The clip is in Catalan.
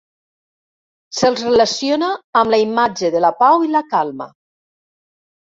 Se'ls relaciona amb la imatge de la pau i la calma.